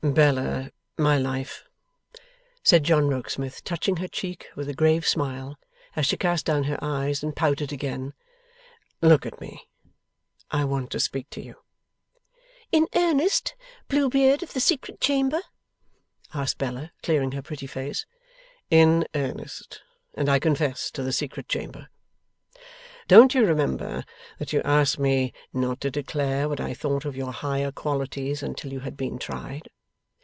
'Bella, my life,' said John Rokesmith, touching her cheek, with a grave smile, as she cast down her eyes and pouted again; 'look at me. I want to speak to you.' 'In earnest, Blue Beard of the secret chamber?' asked Bella, clearing her pretty face. 'In earnest. And I confess to the secret chamber. Don't you remember that you asked me not to declare what I thought of your higher qualities until you had been tried?